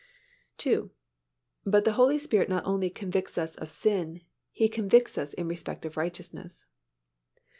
II. But the Holy Spirit not only convicts of sin, He convicts in respect of righteousness.